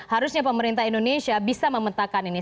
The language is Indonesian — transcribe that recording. harusnya pemerintah indonesia bisa memetakan ini